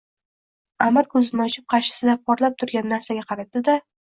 Аmir koʼzini ochib, qarshisida porlab turgan narsaga qaradi-da: